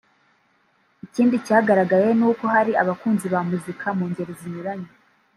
Ikindi cyagaragaye ni uko hari abakunzi ba muzika mu ngeri zinyuranye